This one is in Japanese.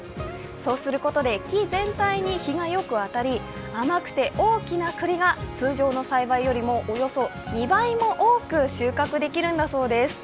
そうすることで、木全体に日がよく当たり、甘くて大きなくりが通常の栽培よりもおよそ２倍も多く収穫できるんだそうです。